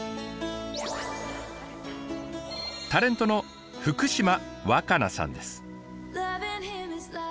タレントの福島和可菜さんです。